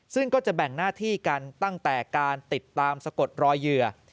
ซึ่งก็จะแบ่งหน้าที่กันตั้งแต่การติดตามสะกดรอยเหยื่อ